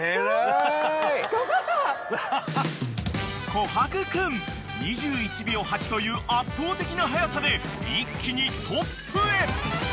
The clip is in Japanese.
［琥珀君２１秒８という圧倒的な速さで一気にトップへ］